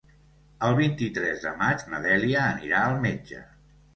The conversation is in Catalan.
El vint-i-tres de maig na Dèlia anirà al metge.